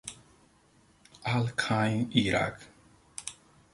Al-Qaim, Irak